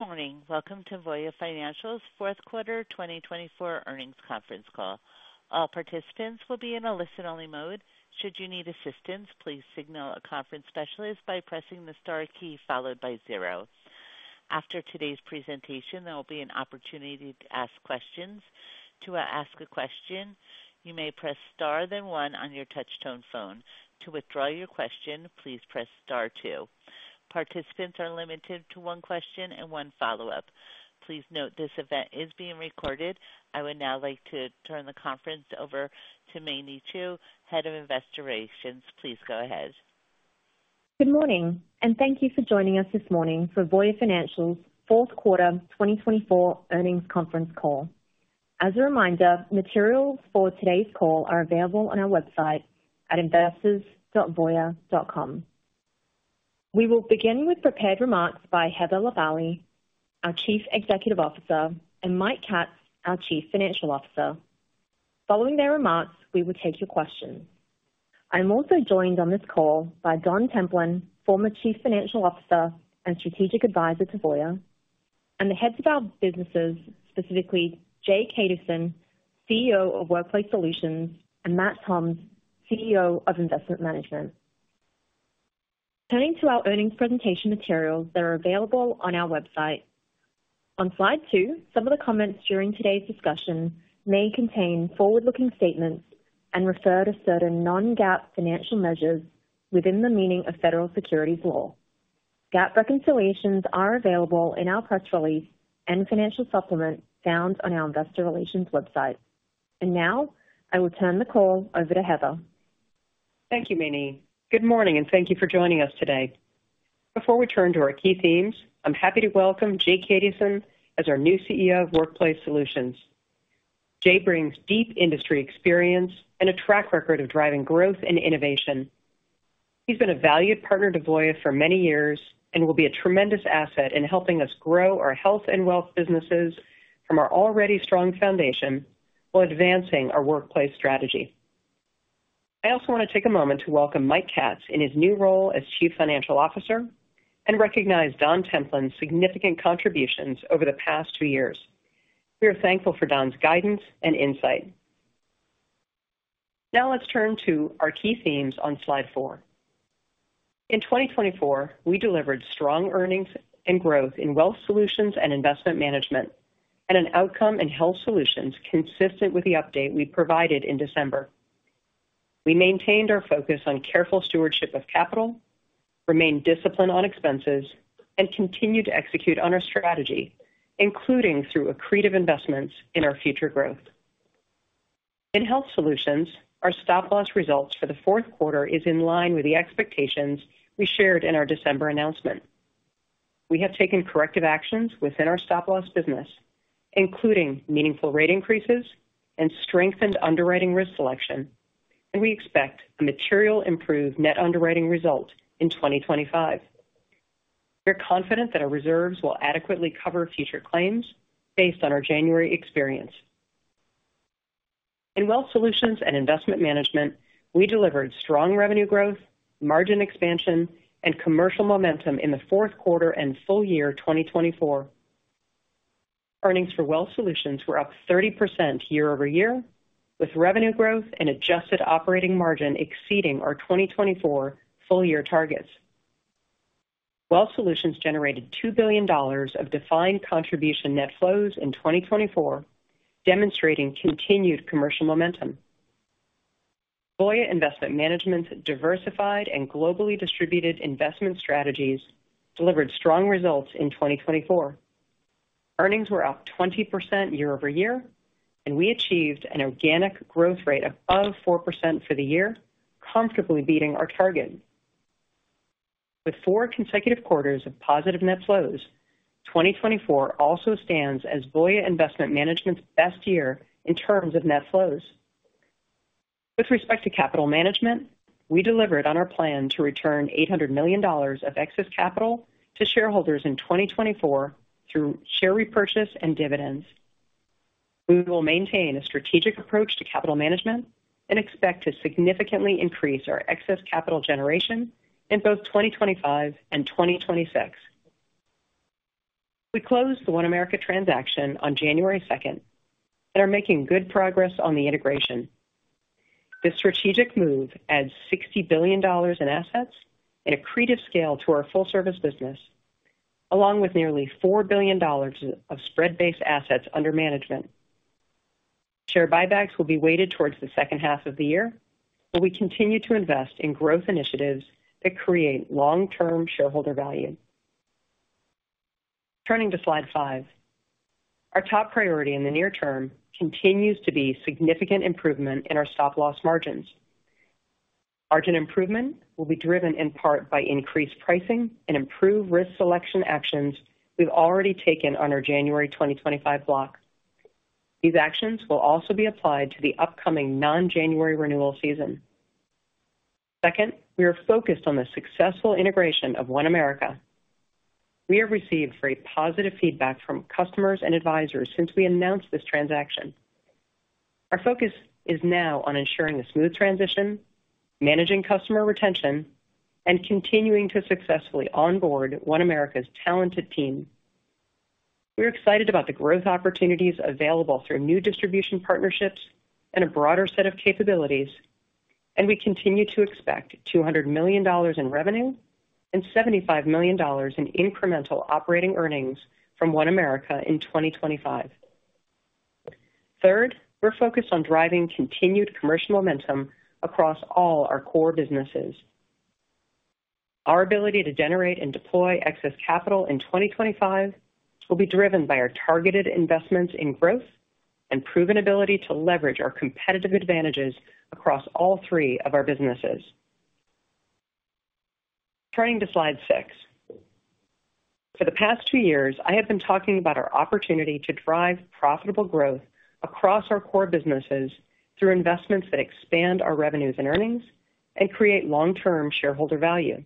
Morning. Welcome to Voya Financial's fourth quarter 2024 earnings conference call. All participants will be in a listen-only mode. Should you need assistance, please signal a conference specialist by pressing the star key followed by zero. After today's presentation, there will be an opportunity to ask questions. To ask a question, you may press star then one on your touch-tone phone. To withdraw your question, please press star two. Participants are limited to one question and one follow-up. Please note this event is being recorded. I would now like to turn the conference over to Mei Ni Chu, Head of Investor Relations. Please go ahead. Good morning, and thank you for joining us this morning for Voya Financial's fourth quarter 2024 earnings conference call. As a reminder, materials for today's call are available on our website at investors.voya.com. We will begin with prepared remarks by Heather Lavallee, our Chief Executive Officer, and Mike Katz, our Chief Financial Officer. Following their remarks, we will take your questions. I'm also joined on this call by Don Templin, former Chief Financial Officer and strategic advisor to Voya, and the heads of our businesses, specifically Jay Kaduson, CEO of Workplace Solutions, and Matt Toms, CEO of Investment Management. Turning to our earnings presentation materials that are available on our website. On slide two, some of the comments during today's discussion may contain forward-looking statements and refer to certain non-GAAP financial measures within the meaning of federal securities law. GAAP reconciliations are available in our press release and financial supplement found on our investor relations website, and now, I will turn the call over to Heather. Thank you, Mei Ni. Good morning, and thank you for joining us today. Before we turn to our key themes, I'm happy to welcome Jay Kaduson as our new CEO of Workplace Solutions. Jay brings deep industry experience and a track record of driving growth and innovation. He's been a valued partner to Voya for many years and will be a tremendous asset in helping us grow our Health and Wealth businesses from our already strong foundation while advancing our workplace strategy. I also want to take a moment to welcome Mike Katz in his new role as Chief Financial Officer and recognize Don Templin's significant contributions over the past two years. We are thankful for Don's guidance and insight. Now let's turn to our key themes on slide four. In 2024, we delivered strong earnings and growth in Wealth Solutions and Investment Management and an outcome in Health Solutions consistent with the update we provided in December. We maintained our focus on careful stewardship of capital, remained disciplined on expenses, and continued to execute on our strategy, including through accretive investments in our future growth. In Health Solutions, our stop-loss results for the fourth quarter are in line with the expectations we shared in our December announcement. We have taken corrective actions within our stop-loss business, including meaningful rate increases and strengthened underwriting risk selection, and we expect a materially improved net underwriting result in 2025. We're confident that our reserves will adequately cover future claims based on our January experience. In Wealth Solutions and Investment Management, we delivered strong revenue growth, margin expansion, and commercial momentum in the fourth quarter and full year 2024. Earnings for Wealth Solutions were up 30% year over year, with revenue growth and adjusted operating margin exceeding our 2024 full-year targets. Wealth Solutions generated $2 billion of defined contribution net flows in 2024, demonstrating continued commercial momentum. Voya Investment Management's diversified and globally distributed investment strategies delivered strong results in 2024. Earnings were up 20% year over year, and we achieved an organic growth rate above 4% for the year, comfortably beating our target. With four consecutive quarters of positive net flows, 2024 also stands as Voya Investment Management's best year in terms of net flows. With respect to capital management, we delivered on our plan to return $800 million of excess capital to shareholders in 2024 through share repurchase and dividends. We will maintain a strategic approach to capital management and expect to significantly increase our excess capital generation in both 2025 and 2026. We closed the OneAmerica transaction on January 2nd and are making good progress on the integration. This strategic move adds $60 billion in assets and accretive scale to our full-service business, along with nearly $4 billion of spread-based assets under management. Share buybacks will be weighted towards the second half of the year, but we continue to invest in growth initiatives that create long-term shareholder value. Turning to slide five, our top priority in the near term continues to be significant improvement in our stop-loss margins. Margin improvement will be driven in part by increased pricing and improved risk selection actions we've already taken on our January 2025 block. These actions will also be applied to the upcoming non-January renewal season. Second, we are focused on the successful integration of OneAmerica. We have received very positive feedback from customers and advisors since we announced this transaction. Our focus is now on ensuring a smooth transition, managing customer retention, and continuing to successfully onboard OneAmerica's talented team. We're excited about the growth opportunities available through new distribution partnerships and a broader set of capabilities, and we continue to expect $200 million in revenue and $75 million in incremental operating earnings from OneAmerica in 2025. Third, we're focused on driving continued commercial momentum across all our core businesses. Our ability to generate and deploy excess capital in 2025 will be driven by our targeted investments in growth and proven ability to leverage our competitive advantages across all three of our businesses. Turning to slide six. For the past two years, I have been talking about our opportunity to drive profitable growth across our core businesses through investments that expand our revenues and earnings and create long-term shareholder value.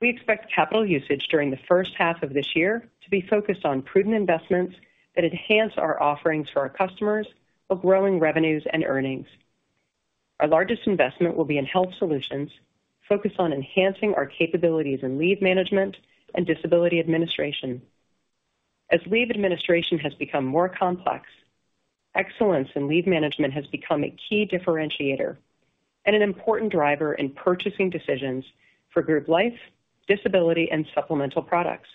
We expect capital usage during the first half of this year to be focused on proven investments that enhance our offerings for our customers while growing revenues and earnings. Our largest investment will be in Health Solutions, focused on enhancing our capabilities in Leave Management and disability administration. As leave administration has become more complex, excellence in Leave Management has become a key differentiator and an important driver in purchasing decisions for group life, disability, and supplemental products.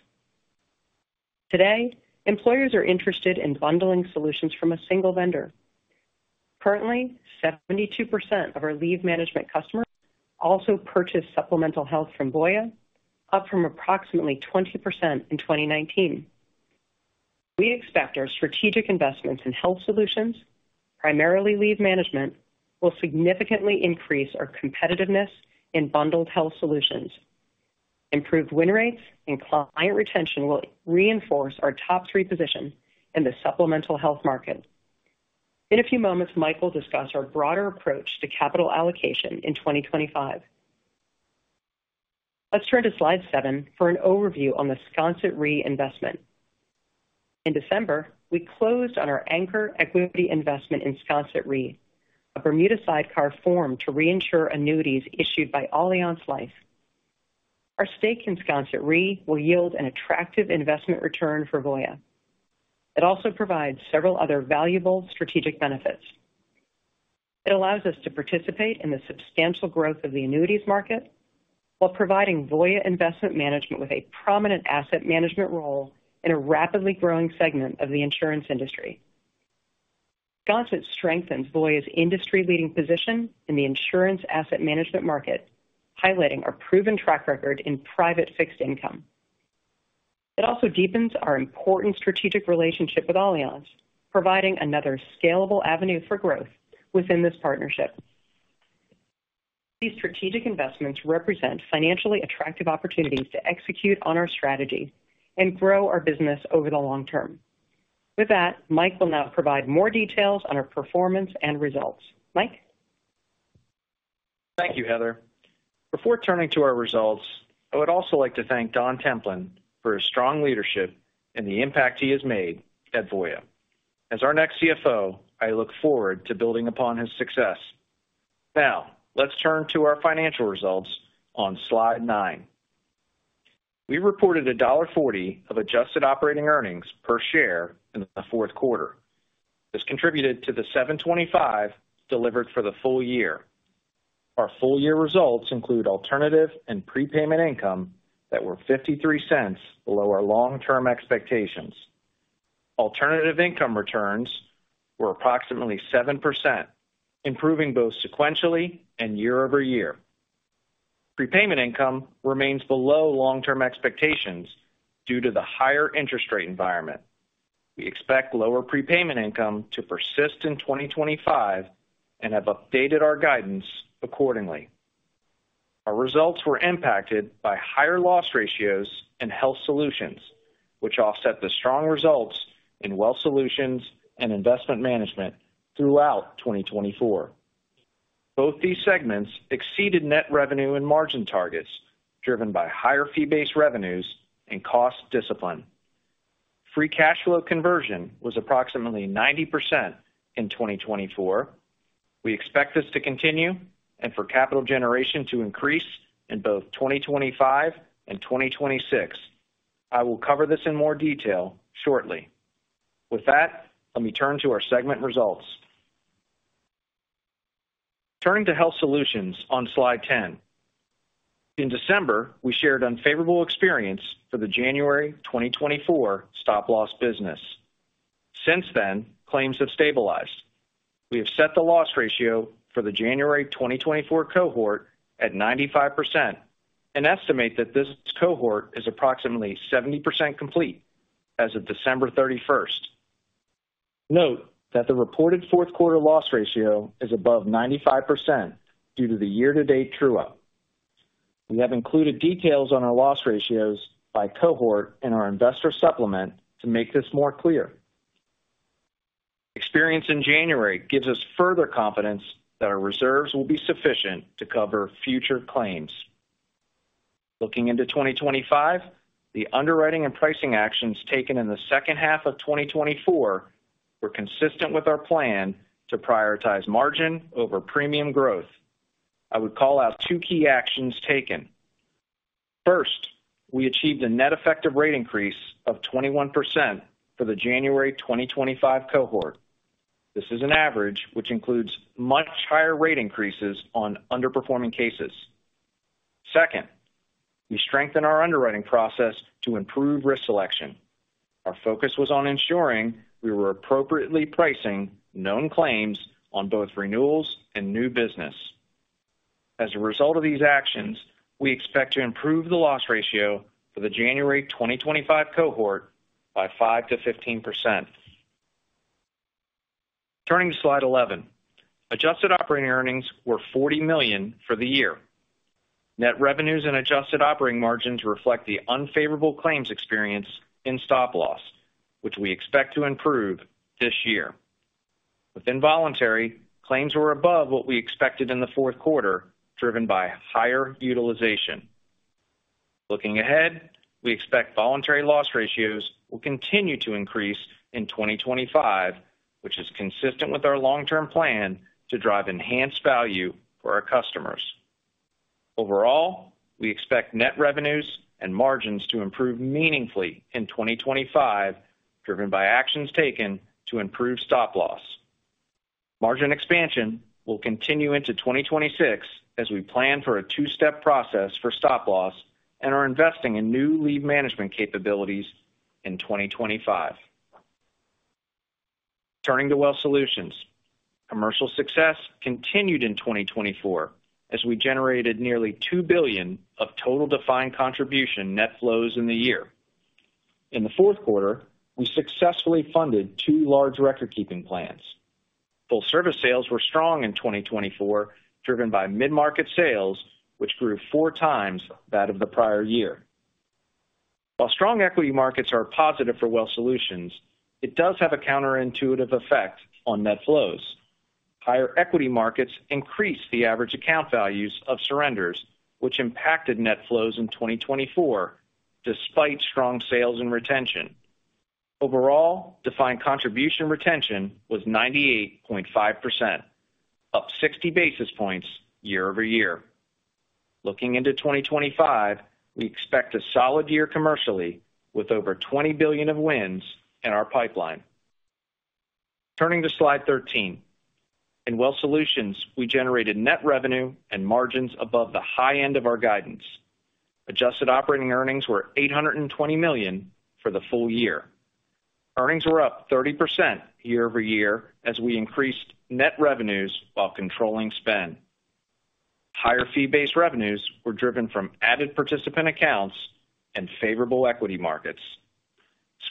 Today, employers are interested in bundling solutions from a single vendor. Currently, 72% of our Leave Management customers also purchase supplemental health from Voya, up from approximately 20% in 2019. We expect our strategic investments in Health Solutions, primarily Leave Management, will significantly increase our competitiveness in bundled health solutions. Improved win rates and client retention will reinforce our top three position in the supplemental health market. In a few moments, Mike will discuss our broader approach to capital allocation in 2025. Let's turn to slide seven for an overview on the Sconset Re investment. In December, we closed on our anchor equity investment in Sconset Re, a Bermuda sidecar formed to reinsure annuities issued by Allianz Life. Our stake in Sconset Re will yield an attractive investment return for Voya. It also provides several other valuable strategic benefits. It allows us to participate in the substantial growth of the annuities market while providing Voya Investment Management with a prominent asset management role in a rapidly growing segment of the insurance industry. Sconset Re strengthens Voya's industry-leading position in the insurance asset management market, highlighting our proven track record in private fixed income. It also deepens our important strategic relationship with Allianz, providing another scalable avenue for growth within this partnership. These strategic investments represent financially attractive opportunities to execute on our strategy and grow our business over the long term. With that, Mike will now provide more details on our performance and results. Mike. Thank you, Heather. Before turning to our results, I would also like to thank Don Templin for his strong leadership and the impact he has made at Voya. As our next CFO, I look forward to building upon his success. Now, let's turn to our financial results on slide nine. We reported $1.40 of adjusted operating earnings per share in the fourth quarter. This contributed to the $7.25 delivered for the full year. Our full-year results include alternative and prepayment income that were $0.53 below our long-term expectations. Alternative income returns were approximately 7%, improving both sequentially and year over year. Prepayment income remains below long-term expectations due to the higher interest rate environment. We expect lower prepayment income to persist in 2025 and have updated our guidance accordingly. Our results were impacted by higher loss ratios in Health Solutions, which offset the strong results in Wealth Solutions and Investment Management throughout 2024. Both these segments exceeded net revenue and margin targets, driven by higher fee-based revenues and cost discipline. Free cash flow conversion was approximately 90% in 2024. We expect this to continue and for capital generation to increase in both 2025 and 2026. I will cover this in more detail shortly. With that, let me turn to our segment results. Turning to Health Solutions on slide 10. In December, we shared unfavorable experience for the January 2024 stop-loss business. Since then, claims have stabilized. We have set the loss ratio for the January 2024 cohort at 95% and estimate that this cohort is approximately 70% complete as of December 31st. Note that the reported fourth quarter loss ratio is above 95% due to the year-to-date true-up. We have included details on our loss ratios by cohort and our investor supplement to make this more clear. Experience in January gives us further confidence that our reserves will be sufficient to cover future claims. Looking into 2025, the underwriting and pricing actions taken in the second half of 2024 were consistent with our plan to prioritize margin over premium growth. I would call out two key actions taken. First, we achieved a net effective rate increase of 21% for the January 2025 cohort. This is an average which includes much higher rate increases on underperforming cases. Second, we strengthened our underwriting process to improve risk selection. Our focus was on ensuring we were appropriately pricing known claims on both renewals and new business. As a result of these actions, we expect to improve the loss ratio for the January 2025 cohort by 5%-15%. Turning to slide 11, adjusted operating earnings were $40 million for the year. Net revenues and adjusted operating margins reflect the unfavorable claims experience in Stop Loss, which we expect to improve this year. Within voluntary, claims were above what we expected in the fourth quarter, driven by higher utilization. Looking ahead, we expect voluntary loss ratios will continue to increase in 2025, which is consistent with our long-term plan to drive enhanced value for our customers. Overall, we expect net revenues and margins to improve meaningfully in 2025, driven by actions taken to improve Stop Loss. Margin expansion will continue into 2026 as we plan for a two-step process for Stop Loss and are investing in new Leave Management capabilities in 2025. Turning to Wealth Solutions, commercial success continued in 2024 as we generated nearly $2 billion of total defined contribution net flows in the year. In the fourth quarter, we successfully funded two large recordkeeping plans. Full-service sales were strong in 2024, driven by mid-market sales, which grew four times that of the prior year. While strong equity markets are positive for Wealth Solutions, it does have a counterintuitive effect on net flows. Higher equity markets increased the average account values of surrenders, which impacted net flows in 2024 despite strong sales and retention. Overall, defined contribution retention was 98.5%, up 60 basis points year over year. Looking into 2025, we expect a solid year commercially with over $20 billion of wins in our pipeline. Turning to slide 13, in Wealth Solutions, we generated net revenue and margins above the high end of our guidance. Adjusted Operating Earnings were $820 million for the full year. Earnings were up 30% year over year as we increased net revenues while controlling spend. Higher fee-based revenues were driven from added participant accounts and favorable equity markets.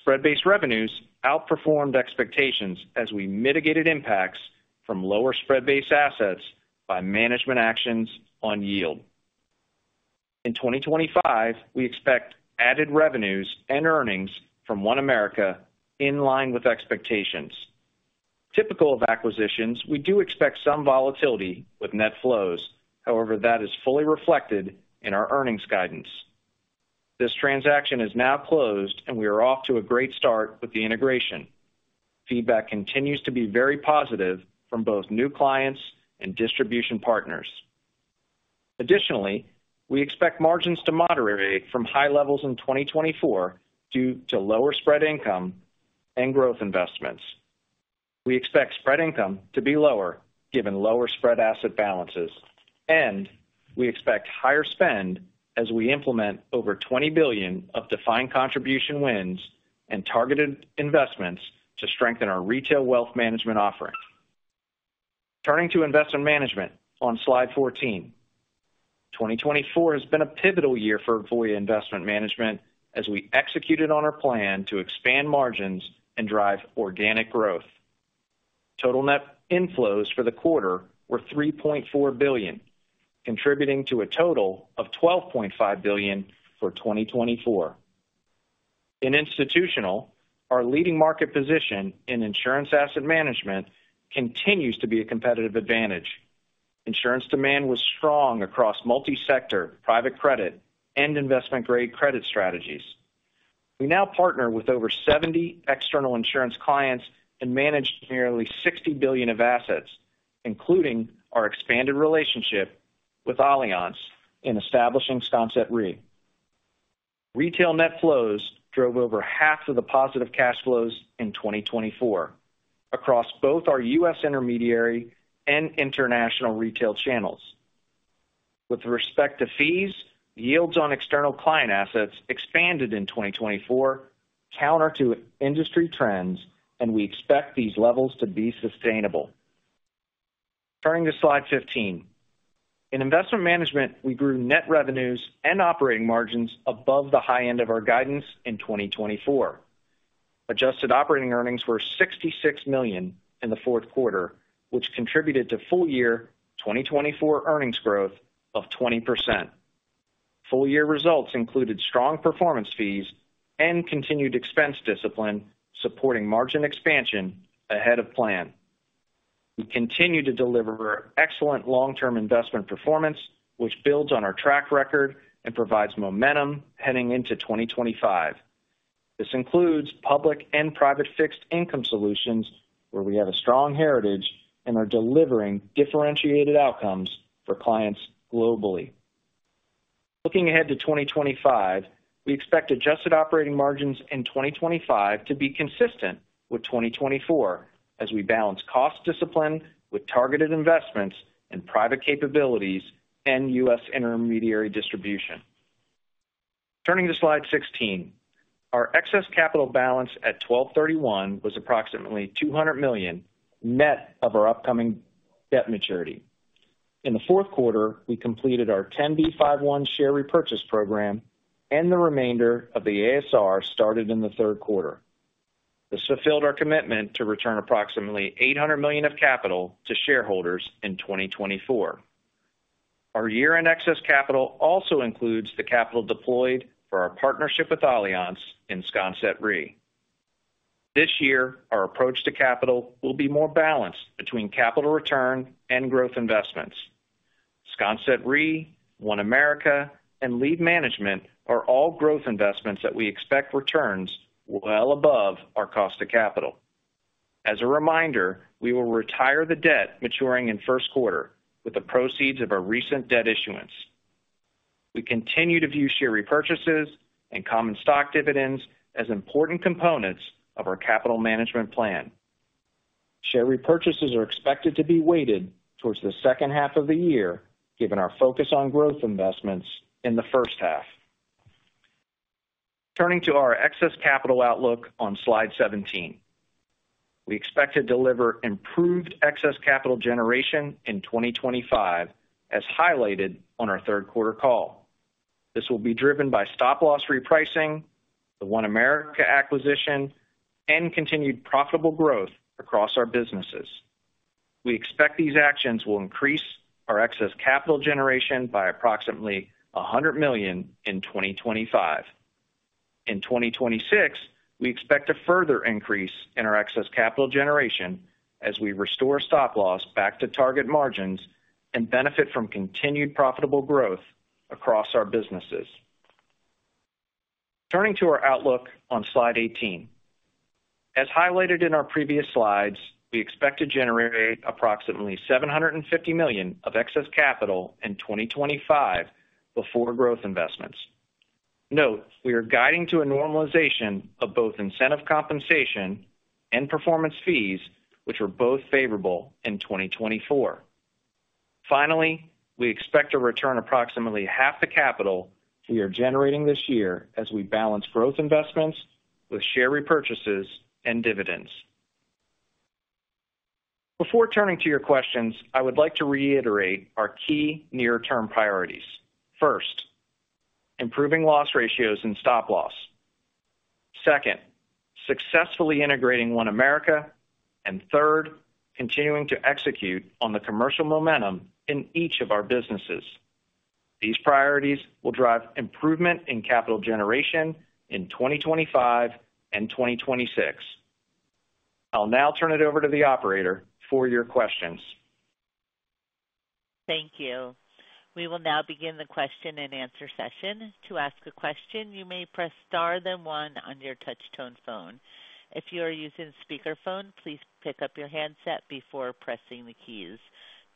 Spread-based revenues outperformed expectations as we mitigated impacts from lower spread-based assets by management actions on yield. In 2025, we expect added revenues and earnings from OneAmerica in line with expectations. Typical of acquisitions, we do expect some volatility with net flows. However, that is fully reflected in our earnings guidance. This transaction is now closed, and we are off to a great start with the integration. Feedback continues to be very positive from both new clients and distribution partners. Additionally, we expect margins to moderate from high levels in 2024 due to lower spread income and growth investments. We expect spread income to be lower given lower spread asset balances, and we expect higher spend as we implement over $20 billion of defined contribution wins and targeted investments to strengthen our retail wealth management offering. Turning to investment management on slide 14, 2024 has been a pivotal year for Voya Investment Management as we executed on our plan to expand margins and drive organic growth. Total net inflows for the quarter were $3.4 billion, contributing to a total of $12.5 billion for 2024. In institutional, our leading market position in insurance asset management continues to be a competitive advantage. Insurance demand was strong across multi-sector private credit and investment-grade credit strategies. We now partner with over 70 external insurance clients and manage nearly $60 billion of assets, including our expanded relationship with Allianz in establishing Sconset Re. Retail net flows drove over half of the positive cash flows in 2024 across both our U.S. intermediary and international retail channels. With respect to fees, yields on external client assets expanded in 2024 counter to industry trends, and we expect these levels to be sustainable. Turning to slide 15, in investment management, we grew net revenues and operating margins above the high end of our guidance in 2024. Adjusted operating earnings were $66 million in the fourth quarter, which contributed to full-year 2024 earnings growth of 20%. Full-year results included strong performance fees and continued expense discipline supporting margin expansion ahead of plan. We continue to deliver excellent long-term investment performance, which builds on our track record and provides momentum heading into 2025. This includes public and private fixed income solutions, where we have a strong heritage and are delivering differentiated outcomes for clients globally. Looking ahead to 2025, we expect adjusted operating margins in 2025 to be consistent with 2024 as we balance cost discipline with targeted investments in private capabilities and U.S. intermediary distribution. Turning to slide 16, our excess capital balance at $12.31 was approximately $200 million net of our upcoming debt maturity. In the fourth quarter, we completed our 10b5-1 share repurchase program, and the remainder of the ASR started in the third quarter. This fulfilled our commitment to return approximately $800 million of capital to shareholders in 2024. Our year-end excess capital also includes the capital deployed for our partnership with Allianz in Sconset Re. This year, our approach to capital will be more balanced between capital return and growth investments. Sconset Re, OneAmerica, and Leave Management are all growth investments that we expect returns well above our cost of capital. As a reminder, we will retire the debt maturing in first quarter with the proceeds of our recent debt issuance. We continue to view share repurchases and common stock dividends as important components of our capital management plan. Share repurchases are expected to be weighted towards the second half of the year, given our focus on growth investments in the first half. Turning to our excess capital outlook on slide 17, we expect to deliver improved excess capital generation in 2025, as highlighted on our third quarter call. This will be driven by stop-loss repricing, the OneAmerica acquisition, and continued profitable growth across our businesses. We expect these actions will increase our excess capital generation by approximately $100 million in 2025. In 2026, we expect a further increase in our excess capital generation as we restore stop-loss back to target margins and benefit from continued profitable growth across our businesses. Turning to our outlook on slide 18, as highlighted in our previous slides, we expect to generate approximately $750 million of excess capital in 2025 before growth investments. Note, we are guiding to a normalization of both incentive compensation and performance fees, which were both favorable in 2024. Finally, we expect to return approximately half the capital we are generating this year as we balance growth investments with share repurchases and dividends. Before turning to your questions, I would like to reiterate our key near-term priorities. First, improving loss ratios and stop-loss. Second, successfully integrating OneAmerica. And third, continuing to execute on the commercial momentum in each of our businesses. These priorities will drive improvement in capital generation in 2025 and 2026. I'll now turn it over to the operator for your questions. Thank you. We will now begin the question and answer session. To ask a question, you may press star then one on your touch-tone phone. If you are using speakerphone, please pick up your handset before pressing the keys.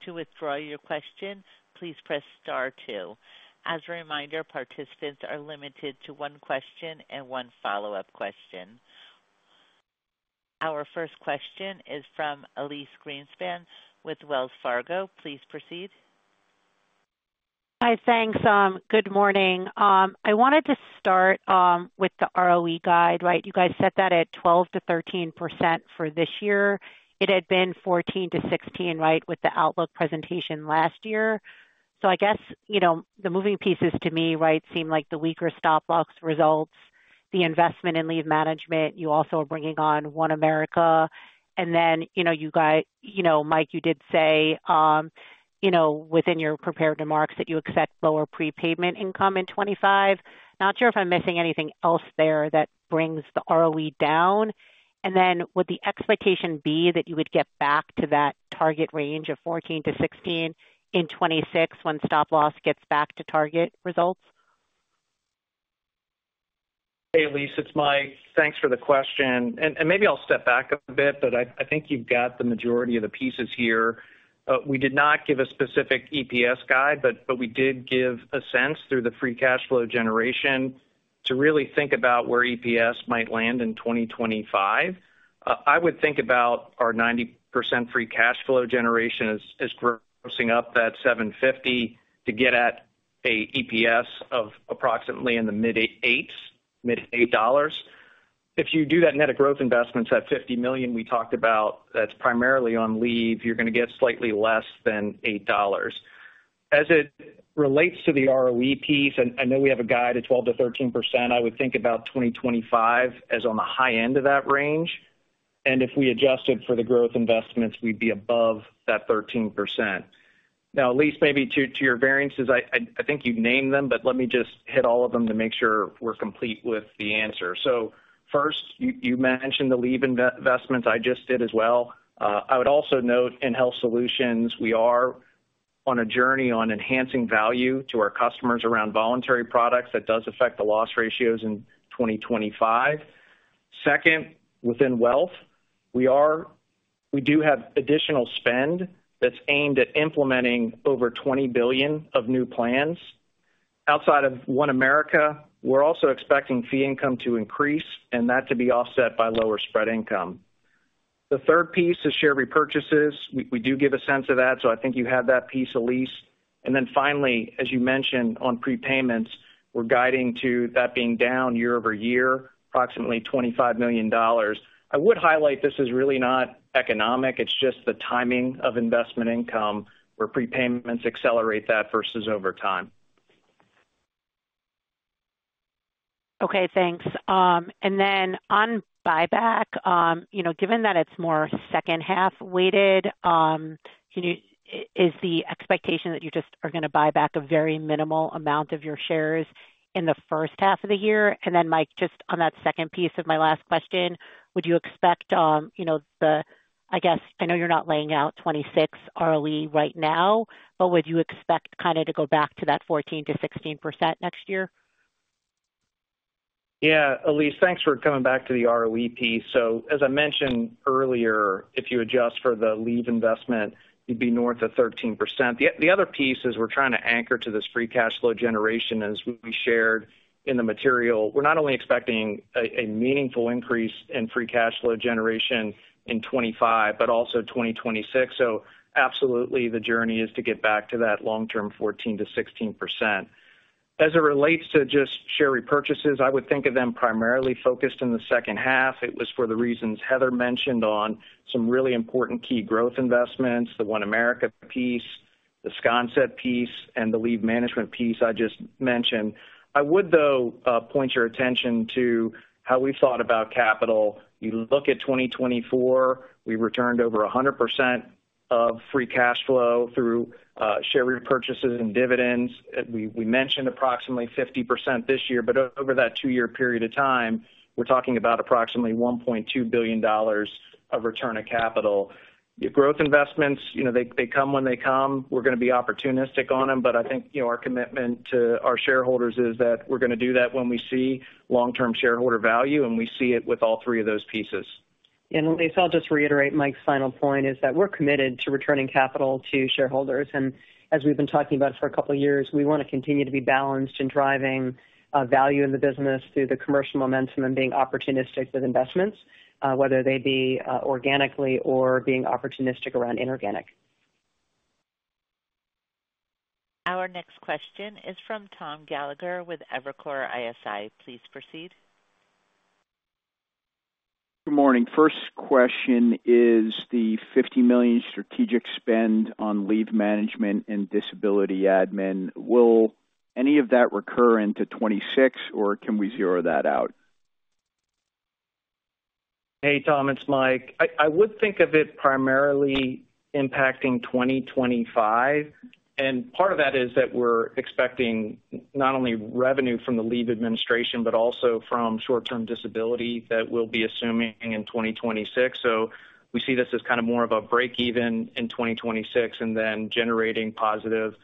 To withdraw your question, please press star two. As a reminder, participants are limited to one question and one follow-up question. Our first question is from Elyse Greenspan with Wells Fargo. Please proceed. Hi, thanks. Good morning. I wanted to start with the ROE guide, right? You guys set that at 12%-13% for this year. It had been 14%-16%, right, with the outlook presentation last year. So I guess, you know, the moving pieces to me, right, seem like the weaker stop-loss results, the investment in Leave Management. You also are bringing on OneAmerica. And then, you know, you guys, you know, Mike, you did say, you know, within your prepared remarks that you expect lower prepayment income in 2025. Not sure if I'm missing anything else there that brings the ROE down. Then would the expectation be that you would get back to that target range of 14 to 16 in 2026 when stop-loss gets back to target results? Hey, Elyse, it's Mike. Thanks for the question. And maybe I'll step back a bit, but I think you've got the majority of the pieces here. We did not give a specific EPS guide, but we did give a sense through the free cash flow generation to really think about where EPS might land in 2025. I would think about our 90% free cash flow generation as grossing up that $750 to get at an EPS of approximately in the mid-eights, mid-eight dollars. If you do that net of growth investments at $50 million, we talked about that's primarily on leave, you're going to get slightly less than $8. As it relates to the ROE piece, I know we have a guide at 12%-13%. I would think about 2025 as on the high end of that range, and if we adjusted for the growth investments, we'd be above that 13%. Now, Elyse, maybe to your variances, I think you'd name them, but let me just hit all of them to make sure we're complete with the answer, so first, you mentioned the leave investments. I just did as well. I would also note in Health Solutions, we are on a journey on enhancing value to our customers around voluntary products that does affect the loss ratios in 2025. Second, within Wealth, we do have additional spend that's aimed at implementing over $20 billion of new plans. Outside of OneAmerica, we're also expecting fee income to increase and that to be offset by lower spread income. The third piece is share repurchases. We do give a sense of that, so I think you have that piece, Elyse. And then finally, as you mentioned on prepayments, we're guiding to that being down year over year, approximately $25 million. I would highlight this is really not economic. It's just the timing of investment income where prepayments accelerate that versus over time. Okay, thanks. And then on buyback, you know, given that it's more second half weighted, is the expectation that you just are going to buy back a very minimal amount of your shares in the first half of the year? And then, Mike, just on that second piece of my last question, would you expect, you know, the, I guess, I know you're not laying out 26 ROE right now, but would you expect kind of to go back to that 14%-16% next year? Yeah, Elyse, thanks for coming back to the ROE piece. So, as I mentioned earlier, if you adjust for the lead investment, you'd be north of 13%. The other piece is we're trying to anchor to this free cash flow generation, as we shared in the material. We're not only expecting a meaningful increase in free cash flow generation in 2025, but also 2026. So, absolutely, the journey is to get back to that long-term 14%-16%. As it relates to just share repurchases, I would think of them primarily focused in the second half. It was for the reasons Heather mentioned on some really important key growth investments, the OneAmerica piece, the Sconset piece, and the Leave Management piece I just mentioned. I would, though, point your attention to how we thought about capital. You look at 2024. We returned over 100% of free cash flow through share repurchases and dividends. We mentioned approximately 50% this year, but over that two-year period of time, we're talking about approximately $1.2 billion of return of capital. Growth investments, you know, they come when they come. We're going to be opportunistic on them, but I think, you know, our commitment to our shareholders is that we're going to do that when we see long-term shareholder value, and we see it with all three of those pieces. And Elyse, I'll just reiterate Mike's final point is that we're committed to returning capital to shareholders. And as we've been talking about for a couple of years, we want to continue to be balanced in driving value in the business through the commercial momentum and being opportunistic with investments, whether they be organically or being opportunistic around inorganic. Our next question is from Tom Gallagher with Evercore ISI. Please proceed. Good morning. First question is the $50 million strategic spend on Leave Management and disability admin. Will any of that recur into 2026, or can we zero that out? Hey, Tom, it's Mike. I would think of it primarily impacting 2025. And part of that is that we're expecting not only revenue from the leave administration, but also from short-term disability that we'll be assuming in 2026. So we see this as kind of more of a break-even in 2026 and then generating positive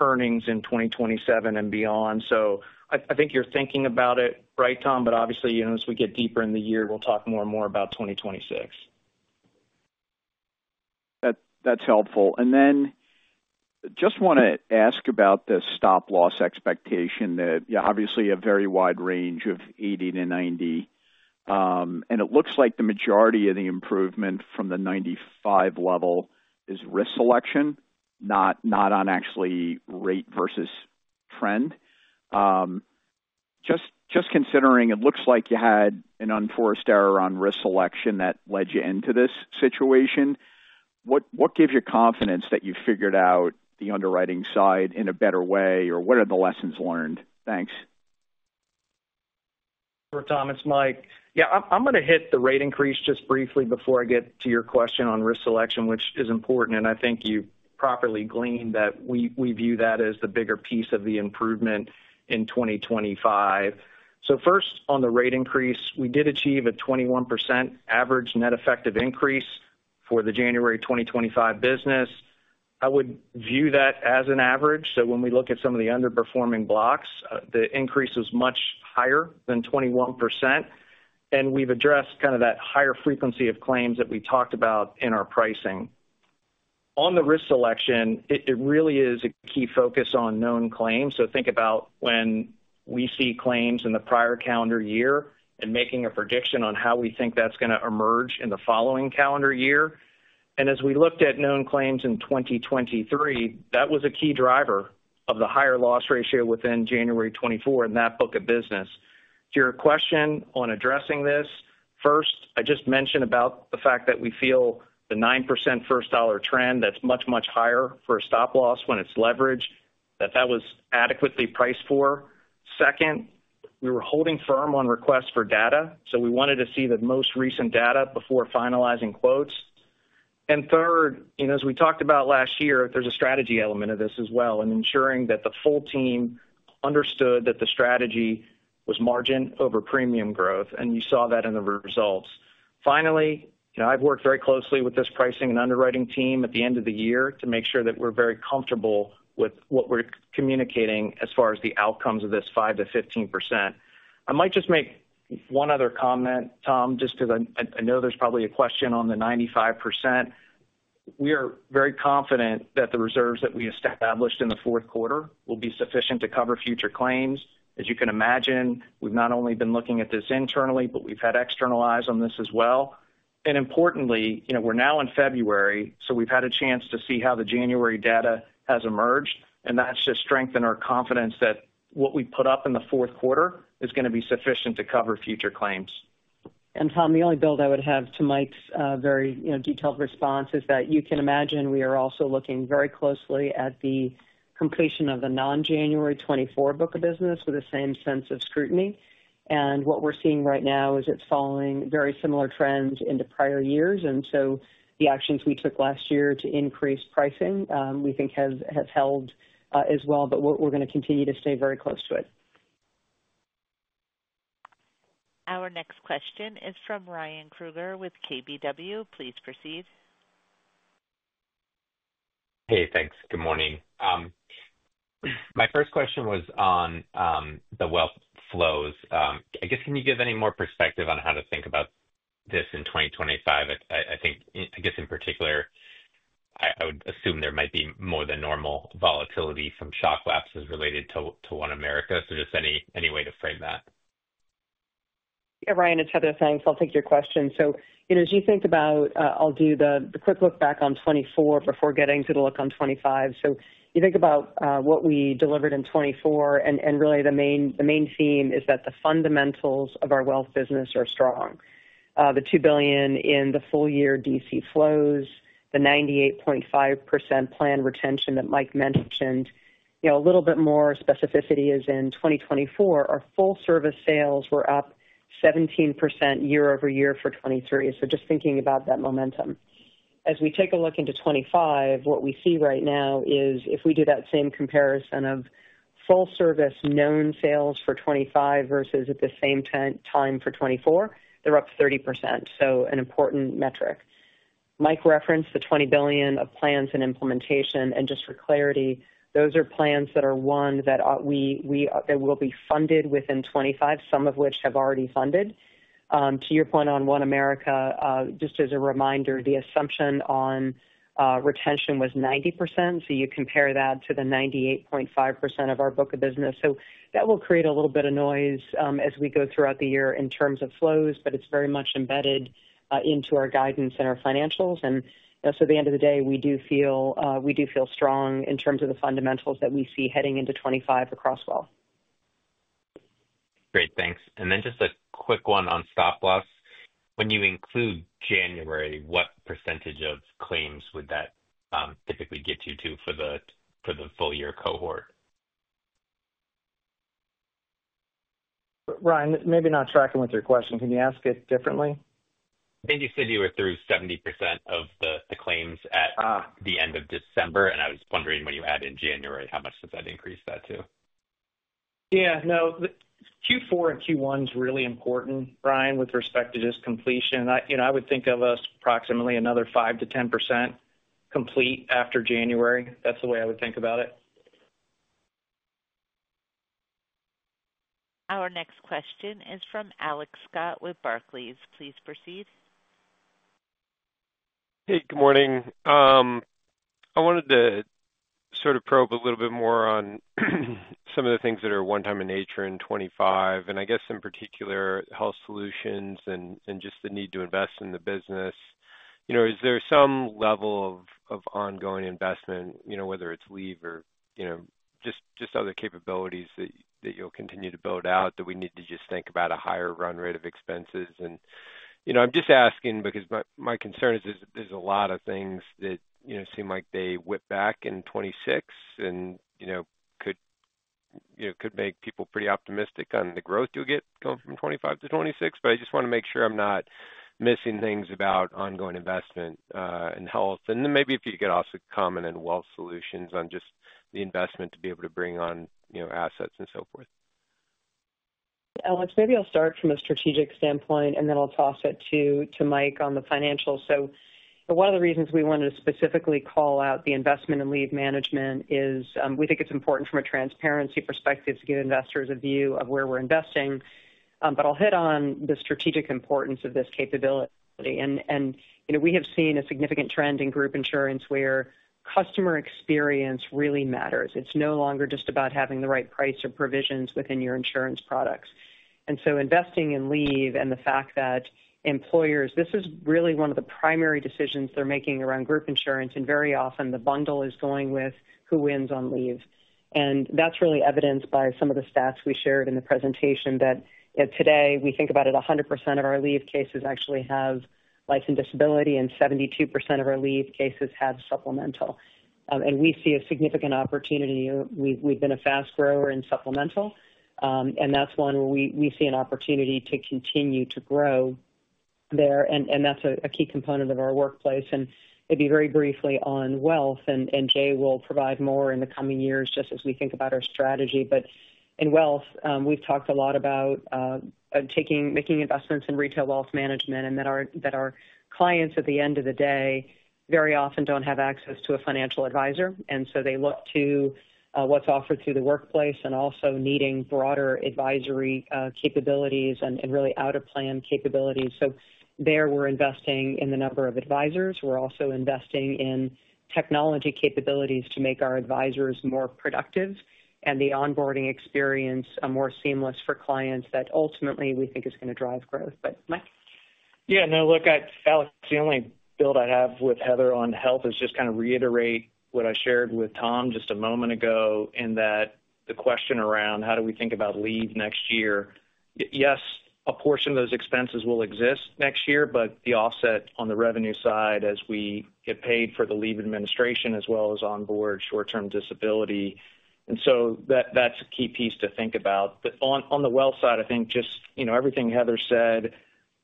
earnings in 2027 and beyond. So I think you're thinking about it, right, Tom? But obviously, you know, as we get deeper in the year, we'll talk more and more about 2026. That's helpful. And then just want to ask about the stop-loss expectation that, yeah, obviously a very wide range of 80%-90%. And it looks like the majority of the improvement from the 95% level is risk selection, not on actually rate versus trend. Just considering, it looks like you had an unforced error on risk selection that led you into this situation. What gives you confidence that you figured out the underwriting side in a better way, or what are the lessons learned? Thanks. Sure, Tom, it's Mike. Yeah, I'm going to hit the rate increase just briefly before I get to your question on risk selection, which is important. I think you properly gleaned that we view that as the bigger piece of the improvement in 2025. So first, on the rate increase, we did achieve a 21% average net effective increase for the January 2025 business. I would view that as an average. So when we look at some of the underperforming blocks, the increase was much higher than 21%. And we've addressed kind of that higher frequency of claims that we talked about in our pricing. On the risk selection, it really is a key focus on known claims. So think about when we see claims in the prior calendar year and making a prediction on how we think that's going to emerge in the following calendar year. And as we looked at known claims in 2023, that was a key driver of the higher loss ratio within January 2024 in that book of business. To your question on addressing this, first, I just mentioned about the fact that we feel the 9% first dollar trend that's much, much higher for a stop-loss when it's leveraged, that that was adequately priced for. Second, we were holding firm on requests for data, so we wanted to see the most recent data before finalizing quotes. And third, you know, as we talked about last year, there's a strategy element of this as well and ensuring that the full team understood that the strategy was margin over premium growth. And you saw that in the results. Finally, you know, I've worked very closely with this pricing and underwriting team at the end of the year to make sure that we're very comfortable with what we're communicating as far as the outcomes of this 5%-15%. I might just make one other comment, Tom, just because I know there's probably a question on the 95%. We are very confident that the reserves that we established in the fourth quarter will be sufficient to cover future claims. As you can imagine, we've not only been looking at this internally, but we've had external eyes on this as well. And importantly, you know, we're now in February, so we've had a chance to see how the January data has emerged. And that's just strengthened our confidence that what we put up in the fourth quarter is going to be sufficient to cover future claims. And Tom, the only build I would have to Mike's very, you know, detailed response is that you can imagine we are also looking very closely at the completion of the non-January 2024 book of business with the same sense of scrutiny. And what we're seeing right now is it's following very similar trends into prior years. And so the actions we took last year to increase pricing, we think has held as well, but we're going to continue to stay very close to it. Our next question is from Ryan Krueger with KBW. Please proceed. Hey, thanks. Good morning. My first question was on the Wealth flows. I guess, can you give any more perspective on how to think about this in 2025? I think, I guess in particular, I would assume there might be more than normal volatility from shock lapses related to OneAmerica. So just any way to frame that. Yeah, Ryan and Heather, thanks. I'll take your question. So, you know, as you think about, I'll do the quick look back on 2024 before getting to the look on 2025. So you think about what we delivered in 2024. Really the main theme is that the fundamentals of our Wealth business are strong. The $2 billion in the full-year DC flows, the 98.5% plan retention that Mike mentioned, you know, a little bit more specificity is in 2024. Our full service sales were up 17% year over year for 2023. So just thinking about that momentum. As we take a look into 2025, what we see right now is if we do that same comparison of full service known sales for 2025 versus at the same time for 2024, they're up 30%. So an important metric. Mike referenced the $20 billion of plans and implementation. And just for clarity, those are plans that won that will be funded within 2025, some of which have already funded. To your point on OneAmerica, just as a reminder, the assumption on retention was 90%. So you compare that to the 98.5% of our book of business. So that will create a little bit of noise as we go throughout the year in terms of flows, but it's very much embedded into our guidance and our financials. And so at the end of the day, we do feel strong in terms of the fundamentals that we see heading into 2025 across Wealth. Great, thanks. And then just a quick one on stop-loss. When you include January, what percentage of claims would that typically get you to for the full year cohort? Ryan, maybe not tracking with your question. Can you ask it differently? I think you said you were through 70% of the claims at the end of December. And I was wondering when you add in January, how much does that increase that to? Yeah, no, Q4 and Q1 is really important, Ryan, with respect to just completion. You know, I would think of us approximately another 5%-10% complete after January. That's the way I would think about it. Our next question is from Alex Scott with Barclays. Please proceed. Hey, good morning. I wanted to sort of probe a little bit more on some of the things that are one-time in nature in 2025. And I guess in particular, Health Solutions and just the need to invest in the business. You know, is there some level of ongoing investment, you know, whether it's leave or, you know, just other capabilities that you'll continue to build out that we need to just think about a higher run rate of expenses? You know, I'm just asking because my concern is there's a lot of things that, you know, seem like they whipped back in 2026 and, you know, could make people pretty optimistic on the growth you'll get going from 2025 to 2026. I just want to make sure I'm not missing things about ongoing investment and health. Then maybe if you could also comment on Wealth Solutions on just the investment to be able to bring on, you know, assets and so forth. Alex, maybe I'll start from a strategic standpoint, and then I'll toss it to Mike on the financials. One of the reasons we wanted to specifically call out the investment and Leave Management is we think it's important from a transparency perspective to give investors a view of where we're investing. I'll hit on the strategic importance of this capability. You know, we have seen a significant trend in group insurance where customer experience really matters. It's no longer just about having the right price or provisions within your insurance products. So investing in leave and the fact that employers, this is really one of the primary decisions they're making around group insurance. Very often the bundle is going with who wins on leave. That's really evidenced by some of the stats we shared in the presentation that today we think about it, 100% of our leave cases actually have life and disability, and 72% of our leave cases have supplemental. We see a significant opportunity. We've been a fast grower in supplemental. That's one where we see an opportunity to continue to grow there. That's a key component of our workplace. And maybe very briefly on Wealth, and Jay will provide more in the coming years just as we think about our strategy. But in Wealth, we've talked a lot about making investments in retail wealth management and that our clients at the end of the day very often don't have access to a financial advisor. And so they look to what's offered through the workplace and also needing broader advisory capabilities and really out-of-plan capabilities. So there we're investing in the number of advisors. We're also investing in technology capabilities to make our advisors more productive and the onboarding experience more seamless for clients that ultimately we think is going to drive growth. But Mike. Yeah, no, look, Alex, the only build I have with Heather on health is just kind of reiterate what I shared with Tom just a moment ago in that the question around how do we think about leave next year. Yes, a portion of those expenses will exist next year, but the offset on the revenue side as we get paid for the leave administration as well as onboard short-term disability. And so that's a key piece to think about. But on the Wealth side, I think just, you know, everything Heather said,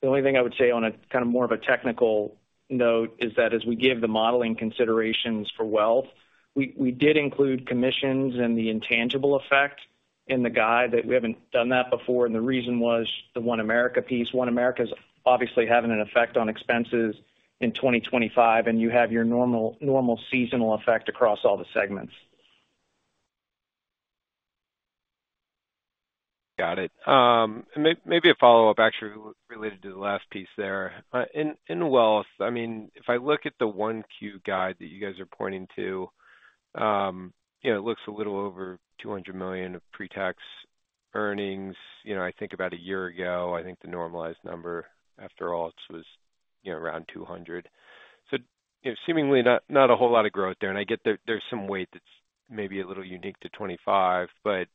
the only thing I would say on a kind of more of a technical note is that as we give the modeling considerations for Wealth, we did include commissions and the intangible effect in the guide that we haven't done that before. And the reason was the OneAmerica piece. OneAmerica is obviously having an effect on expenses in 2025, and you have your normal seasonal effect across all the segments. Got it. Maybe a follow-up actually related to the last piece there. In Wealth, I mean, if I look at the 1Q guide that you guys are pointing to, you know, it looks a little over $200 million of pre-tax earnings. You know, I think about a year ago, I think the normalized number after all was, you know, around $200 million. So, you know, seemingly not a whole lot of growth there. And I get there's some weight that's maybe a little unique to 2025. But,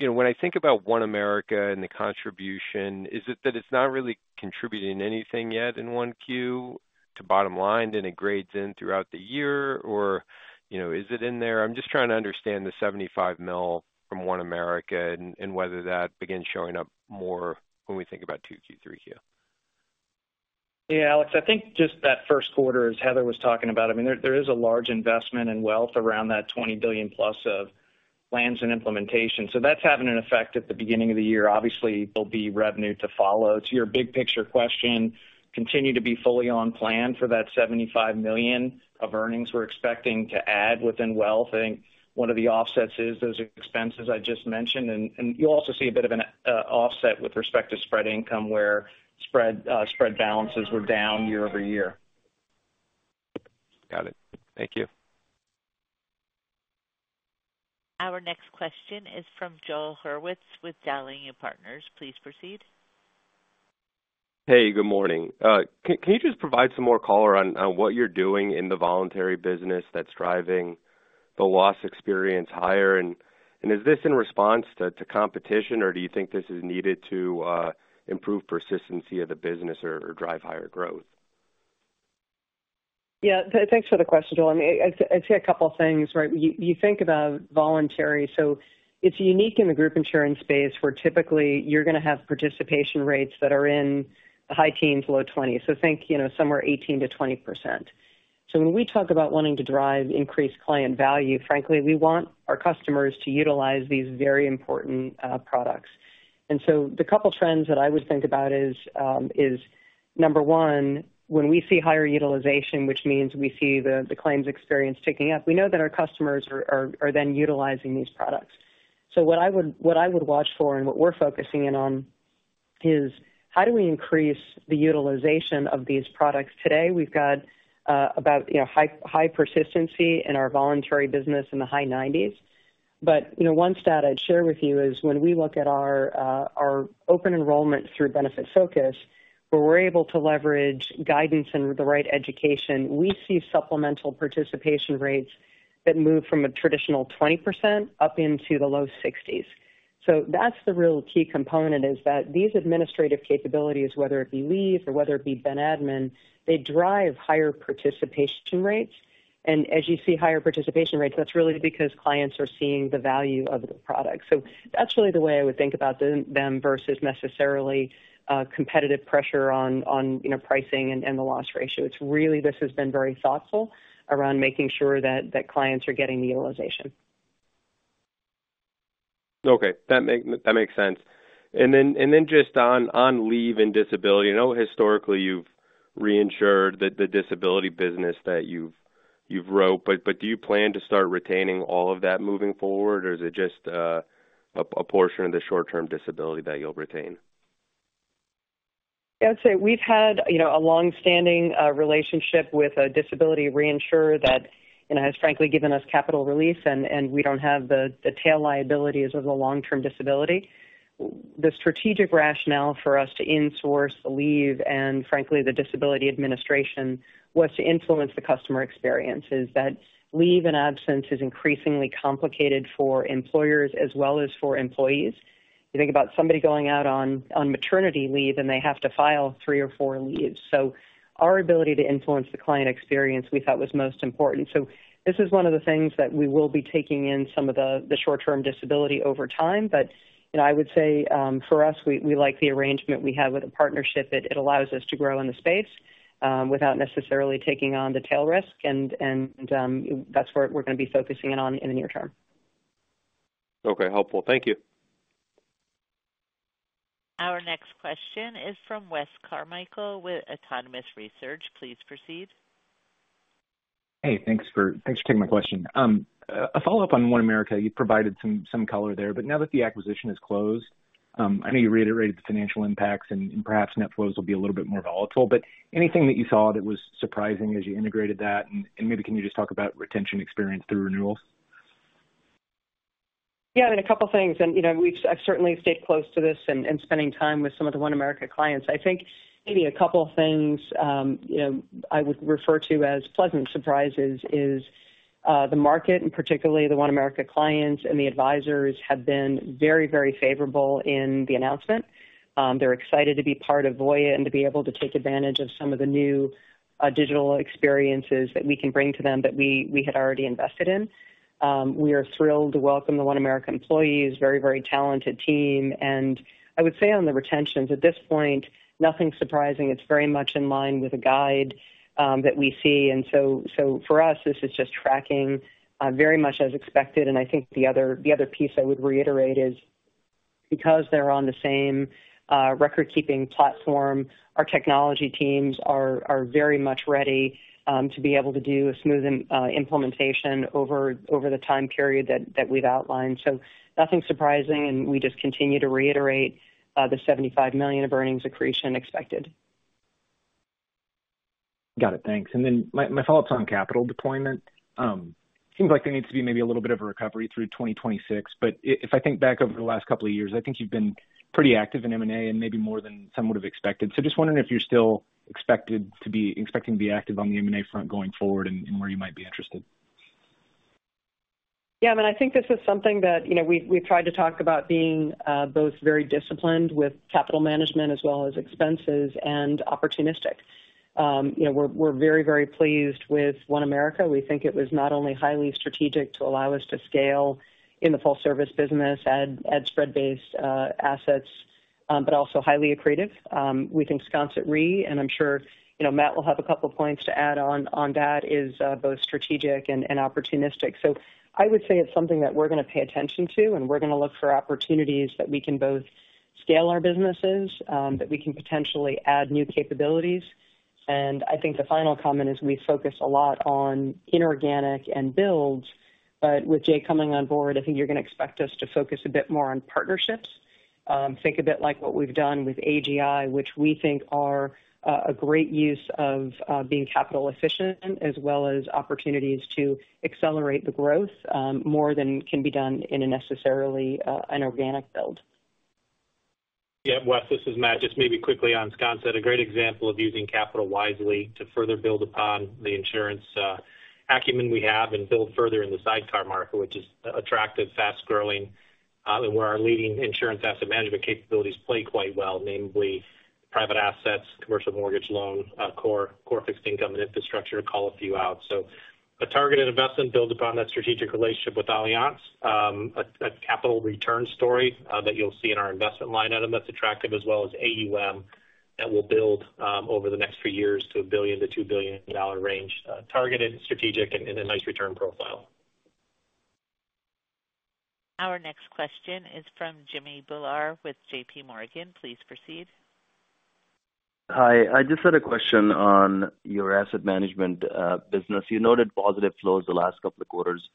you know, when I think about OneAmerica and the contribution, is it that it's not really contributing anything yet in 1Q to bottom line and it grades in throughout the year? Or, you know, is it in there? I'm just trying to understand the $75 million from OneAmerica and whether that begins showing up more when we think about 2Q, 3Q. Yeah, Alex, I think just that first quarter as Heather was talking about, I mean, there is a large investment in Wealth around that $20 billion plus of plans and implementation. So that's having an effect at the beginning of the year. Obviously, there'll be revenue to follow. To your big picture question, continue to be fully on plan for that $75 million of earnings we're expecting to add within Wealth. I think one of the offsets is those expenses I just mentioned. And you'll also see a bit of an offset with respect to spread income where spread balances were down year over year. Got it. Thank you. Our next question is from Joel Hurwitz with Dowling & Partners. Please proceed. Hey, good morning. Can you just provide some more color on what you're doing in the voluntary business that's driving the loss experience higher? And is this in response to competition, or do you think this is needed to improve persistency of the business or drive higher growth? Yeah, thanks for the question, Joel. I mean, I see a couple of things, right? You think about voluntary. So it's unique in the group insurance space where typically you're going to have participation rates that are in the high teens, low 20s. So think, you know, somewhere 18%-20%. So when we talk about wanting to drive increased client value, frankly, we want our customers to utilize these very important products. The couple of trends that I would think about is number one, when we see higher utilization, which means we see the claims experience ticking up. We know that our customers are then utilizing these products. What I would watch for and what we're focusing in on is how do we increase the utilization of these products? Today, we've got about, you know, high persistency in our voluntary business in the high 90s. But, you know, one stat I'd share with you is when we look at our open enrollment through Benefitfocus, where we're able to leverage guidance and the right education, we see supplemental participation rates that move from a traditional 20% up into the low 60s. That's the real key component is that these administrative capabilities, whether it be leave or whether it be ben admin, they drive higher participation rates. And as you see higher participation rates, that's really because clients are seeing the value of the product. So that's really the way I would think about them versus necessarily competitive pressure on, you know, pricing and the loss ratio. It's really, this has been very thoughtful around making sure that clients are getting the utilization. Okay, that makes sense. And then just on leave and disability, I know historically you've reinsured the disability business that you've written, but do you plan to start retaining all of that moving forward, or is it just a portion of the short-term disability that you'll retain? Yeah, I'd say we've had, you know, a long-standing relationship with a disability reinsurer that, you know, has frankly given us capital relief, and we don't have the tail liabilities of the long-term disability. The strategic rationale for us to insource the leave and, frankly, the disability administration was to influence the customer experience. Is that leave and absence is increasingly complicated for employers as well as for employees. You think about somebody going out on maternity leave and they have to file three or four leaves. So our ability to influence the client experience, we thought was most important. So this is one of the things that we will be taking in some of the short-term disability over time. But, you know, I would say for us, we like the arrangement we have with the partnership. It allows us to grow in the space without necessarily taking on the tail risk. And that's where we're going to be focusing in on in the near term. Okay, helpful. Thank you. Our next question is from Wes Carmichael with Autonomous Research. Please proceed. Hey, thanks for taking my question. A follow-up on OneAmerica. You provided some color there, but now that the acquisition is closed, I know you reiterated the financial impacts and perhaps net flows will be a little bit more volatile. But anything that you saw that was surprising as you integrated that? And maybe can you just talk about retention experience through renewals? Yeah, I mean a couple of things. And you know, I've certainly stayed close to this and spending time with some of the OneAmerica clients. I think maybe a couple of things, you know, I would refer to as pleasant surprises is the market and particularly the OneAmerica clients and the advisors have been very, very favorable in the announcement. They're excited to be part of Voya and to be able to take advantage of some of the new digital experiences that we can bring to them that we had already invested in. We are thrilled to welcome the OneAmerica employees, very, very talented team. And I would say on the retentions at this point, nothing surprising. It's very much in line with the guide that we see. And so for us, this is just tracking very much as expected. And I think the other piece I would reiterate is because they're on the same record-keeping platform, our technology teams are very much ready to be able to do a smooth implementation over the time period that we've outlined. So nothing surprising. And we just continue to reiterate the $75 million of earnings accretion expected. Got it. Thanks. And then my follow-up is on capital deployment. It seems like there needs to be maybe a little bit of a recovery through 2026. But if I think back over the last couple of years, I think you've been pretty active in M&A and maybe more than some would have expected. So just wondering if you're still expected to be expecting to be active on the M&A front going forward and where you might be interested. Yeah, I mean, I think this is something that, you know, we've tried to talk about being both very disciplined with capital management as well as expenses and opportunistic. You know, we're very, very pleased with OneAmerica. We think it was not only highly strategic to allow us to scale in the full-service business, add spread-based assets, but also highly accretive. We think Sconset Re, and I'm sure, you know, Matt will have a couple of points to add on that, is both strategic and opportunistic. So I would say it's something that we're going to pay attention to, and we're going to look for opportunities that we can both scale our businesses, that we can potentially add new capabilities. And I think the final comment is we focus a lot on inorganic and builds. But with Jay coming on board, I think you're going to expect us to focus a bit more on partnerships. Think a bit like what we've done with AGI, which we think are a great use of being capital efficient as well as opportunities to accelerate the growth more than can be done in a necessarily inorganic build. Yeah, Wes, this is Matt. Just maybe quickly on Sconset, a great example of using capital wisely to further build upon the insurance acumen we have and build further in the sidecar market, which is attractive, fast-growing, and where our leading insurance asset management capabilities play quite well, namely private assets, commercial mortgage loan, core fixed income, and infrastructure to call a few out. So a targeted investment built upon that strategic relationship with Allianz, a capital return story that you'll see in our investment line item that's attractive, as well as AUM that will build over the next few years to $1 billion-$2 billion range, targeted, strategic, and a nice return profile. Our next question is from Jimmy Bhullar with J.P. Morgan. Please proceed. Hi, I just had a question on your asset management business. You noted positive flows the last couple of quarters,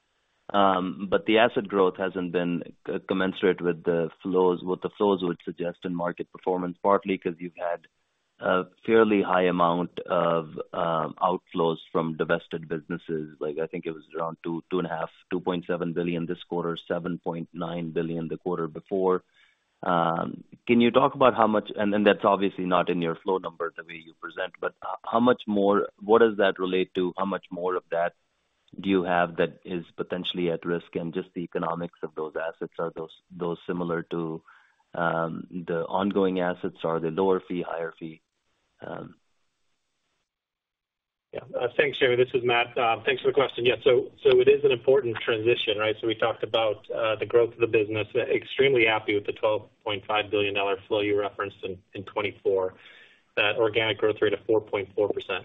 but the asset growth hasn't been commensurate with the flows, what the flows would suggest in market performance, partly because you've had a fairly high amount of outflows from divested businesses. Like I think it was around $2.7 billion this quarter, $7.9 billion the quarter before. Can you talk about how much, and that's obviously not in your flow number the way you present, but how much more, what does that relate to, how much more of that do you have that is potentially at risk? And just the economics of those assets, are those similar to the ongoing assets? Are they lower fee, higher fee? Yeah, thanks, Jimmy. This is Matt. Thanks for the question. Yeah, so it is an important transition, right? We talked about the growth of the business. We are extremely happy with the $12.5 billion flow you referenced in 2024, that organic growth rate of 4.4%,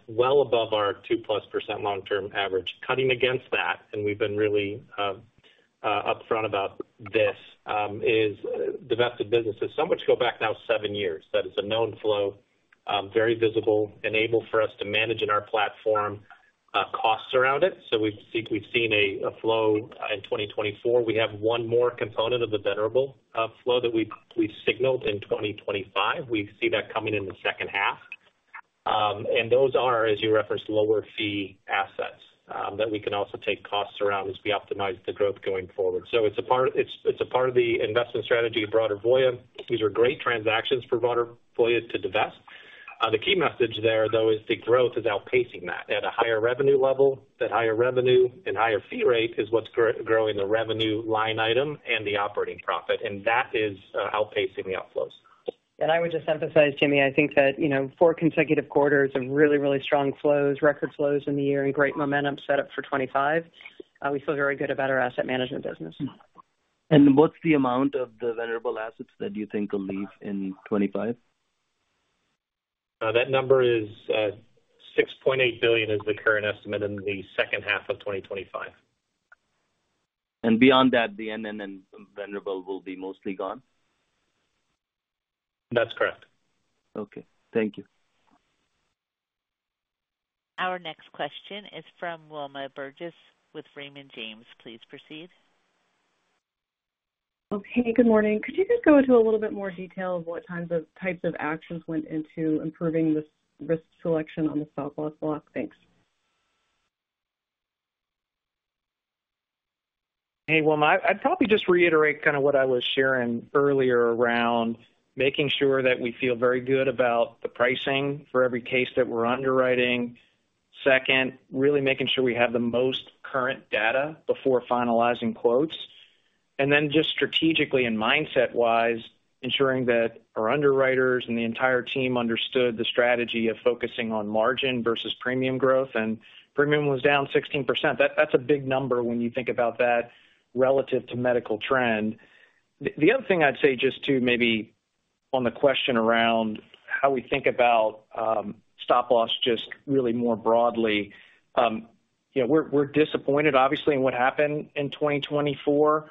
well above our 2% plus long-term average. Cutting against that, and we've been really upfront about this, is divested businesses. Some would go back now seven years. That is a known flow, very visible, enabled for us to manage in our platform costs around it. We've seen a flow in 2024. We have one more component of the remaining flow that we signaled in 2025. We see that coming in the second half. Those are, as you referenced, lower fee assets that we can also take costs around as we optimize the growth going forward. It's a part of the investment strategy of broader Voya. These are great transactions for broader Voya to divest. The key message there, though, is the growth is outpacing that. At a higher revenue level, that higher revenue and higher fee rate is what's growing the revenue line item and the operating profit. And that is outpacing the outflows. And I would just emphasize, Jimmy, I think that, you know, four consecutive quarters of really, really strong flows, record flows in the year and great momentum set up for '25. We feel very good about our asset management business. And what's the amount of the vulnerable assets that you think will leave in '25? That number is $6.8 billion is the current estimate in the second half of 2025. And beyond that, the remaining vulnerable will be mostly gone? That's correct. Okay, thank you. Our next question is from Wilma Burdis with Raymond James. Please proceed. Okay, good morning. Could you just go into a little bit more detail of what kinds of types of actions went into improving the risk selection on the stop-loss block? Thanks. Hey, Wilma, I'd probably just reiterate kind of what I was sharing earlier around making sure that we feel very good about the pricing for every case that we're underwriting. Second, really making sure we have the most current data before finalizing quotes, and then just strategically and mindset-wise, ensuring that our underwriters and the entire team understood the strategy of focusing on margin versus premium growth, and premium was down 16%. That's a big number when you think about that relative to medical trend. The other thing I'd say just to maybe on the question around how we think about stop-loss just really more broadly, you know, we're disappointed obviously in what happened in 2024,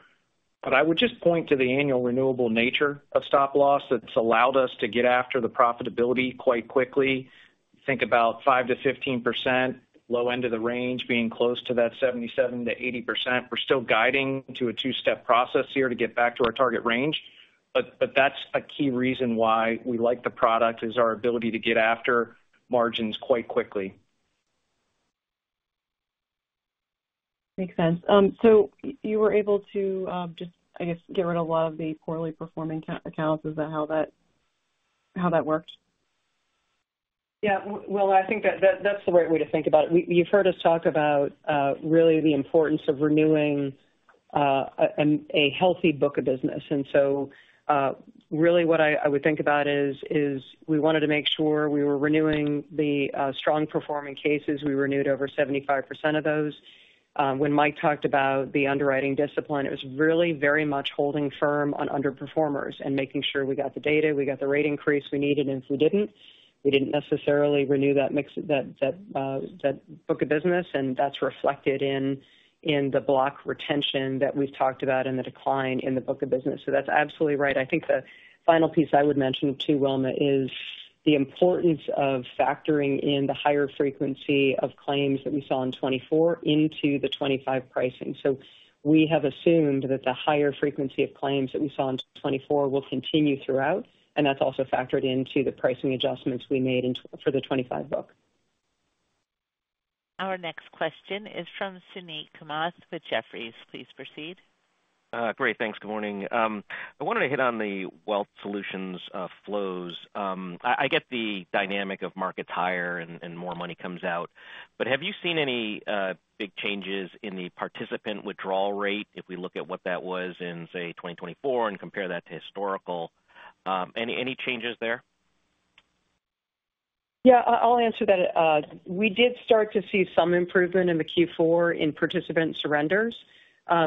but I would just point to the annual renewable nature of stop-loss that's allowed us to get after the profitability quite quickly. Think about 5%-15%, low end of the range being close to that 77%-80%. We're still guiding to a two-step process here to get back to our target range. But that's a key reason why we like the product is our ability to get after margins quite quickly. Makes sense. So you were able to just, I guess, get rid of a lot of the poorly performing accounts. Is that how that worked? Yeah, well, I think that that's the right way to think about it. You've heard us talk about really the importance of renewing a healthy book of business. And so really what I would think about is we wanted to make sure we were renewing the strong-performing cases. We renewed over 75% of those. When Mike talked about the underwriting discipline, it was really very much holding firm on underperformers and making sure we got the data, we got the rate increase we needed. And if we didn't, we didn't necessarily renew that book of business. And that's reflected in the block retention that we've talked about and the decline in the book of business. So that's absolutely right. I think the final piece I would mention to Wilma is the importance of factoring in the higher frequency of claims that we saw in 2024 into the 2025 pricing. We have assumed that the higher frequency of claims that we saw in 2024 will continue throughout. That's also factored into the pricing adjustments we made for the 2025 book. Our next question is from Suneet Kamath with Jefferies. Please proceed. Great, thanks. Good morning. I wanted to hit on the Wealth Solutions flows. I get the dynamic of markets higher and more money comes out. Have you seen any big changes in the participant withdrawal rate? If we look at what that was in, say, 2024 and compare that to historical, any changes there? Yeah, I'll answer that. We did start to see some improvement in the Q4 in participant surrenders.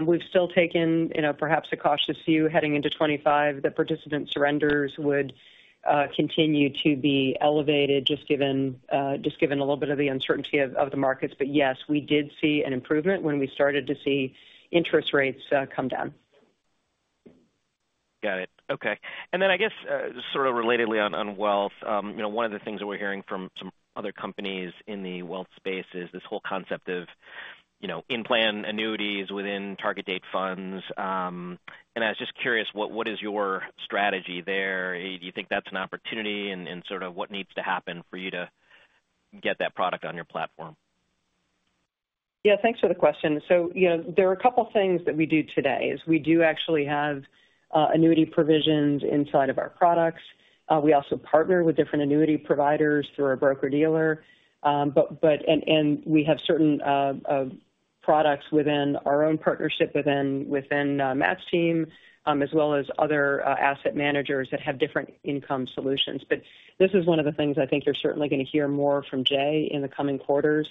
We've still taken, you know, perhaps a cautious view heading into 2025 that participant surrenders would continue to be elevated just given a little bit of the uncertainty of the markets. Yes, we did see an improvement when we started to see interest rates come down. Got it. Okay. And then I guess sort of relatedly on Wealth, you know, one of the things that we're hearing from some other companies in the Wealth space is this whole concept of, you know, in-plan annuities within target date funds. And I was just curious, what is your strategy there? Do you think that's an opportunity and sort of what needs to happen for you to get that product on your platform? Yeah, thanks for the question. So, you know, there are a couple of things that we do today is we do actually have annuity provisions inside of our products. We also partner with different annuity providers through our broker-dealer. But, and we have certain products within our own partnership within Matt's team, as well as other asset managers that have different income solutions. But this is one of the things I think you're certainly going to hear more from Jay in the coming quarters.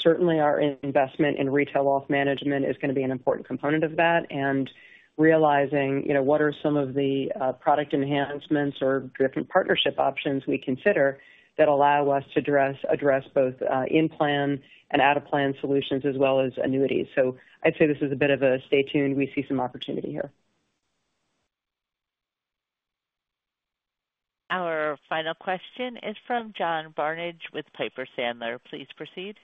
Certainly, our investment in retail Wealth M anagement is going to be an important component of that. And realizing, you know, what are some of the product enhancements or different partnership options we consider that allow us to address both in-plan and out-of-plan solutions as well as annuities. So I'd say this is a bit of a stay tuned. We see some opportunity here. Our final question is from John Barnidge with Piper Sandler. Please proceed.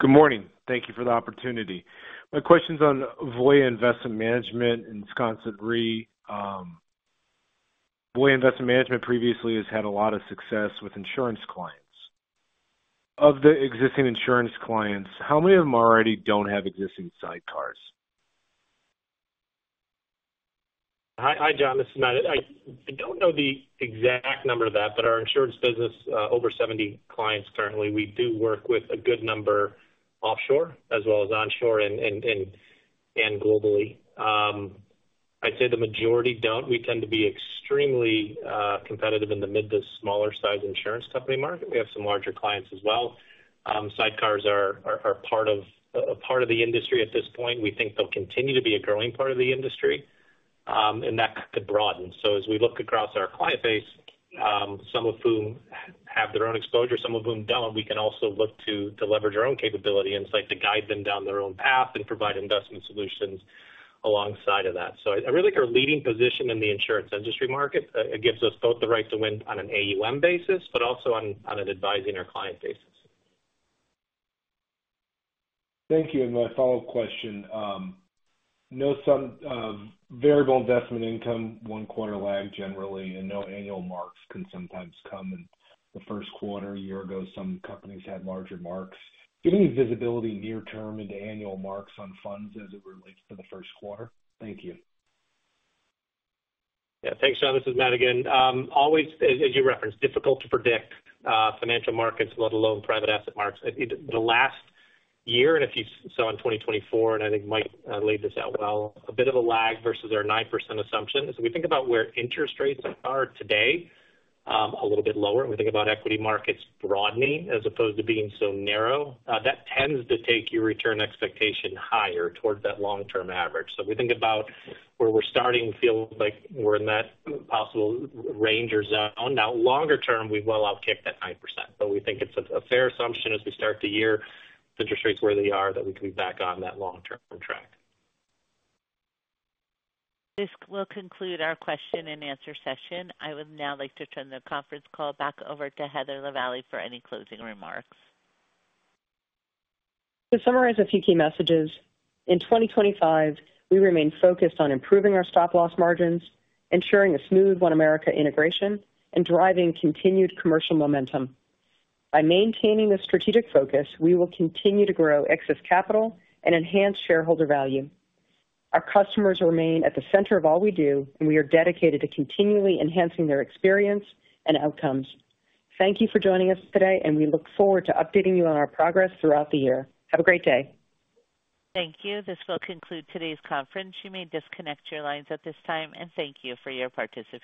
Good morning. Thank you for the opportunity. My question is on Voya Investment Management and Sconset Re. Voya Investment Management previously has had a lot of success with insurance clients. Of the existing insurance clients, how many of them already don't have existing sidecars? Hi, John. This is Matt. I don't know the exact number of that, but our insurance business, over 70 clients currently. We do work with a good number offshore as well as onshore and globally. I'd say the majority don't. We tend to be extremely competitive in the mid to smaller size insurance company market. We have some larger clients as well. sidecars are part of the industry at this point. We think they'll continue to be a growing part of the industry, and that could broaden. So as we look across our client base, some of whom have their own exposure, some of whom don't, we can also look to leverage our own capability and to guide them down their own path and provide investment solutions alongside of that. So I really think our leading position in the insurance industry market. It gives us both the right And we think about equity markets broadening as opposed to being so narrow. That tends to take your return expectation higher towards that long-term average. So if we think about where we're starting, feels like we're in that possible range or zone. Now, longer term, we've well outkicked that 9%. But we think it's a fair assumption as we start the year, interest rates where they are, that we can be back on that long-term track. This will conclude our question and answer session. I would now like to turn the conference call back over to Heather Lavallee for any closing remarks. To summarize a few key messages, in 2025, we remain focused on improving our stop-loss margins, ensuring a smooth OneAmerica integration, and driving continued commercial momentum. By maintaining this strategic focus, we will continue to grow excess capital and enhance shareholder value. Our customers remain at the center of all we do, and we are dedicated to continually enhancing their experience and outcomes. Thank you for joining us today, and we look forward to updating you on our progress throughout the year. Have a great day. Thank you. This will conclude today's conference. You may disconnect your lines at this time, and thank you for your participation.